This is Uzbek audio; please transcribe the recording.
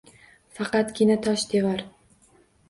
Faqatgina tosh devor.